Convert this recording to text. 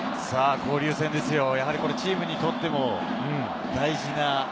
交流戦ですよ、チームにとっても大事な。